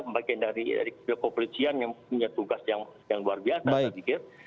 bagian dari kepolisian yang punya tugas yang luar biasa saya pikir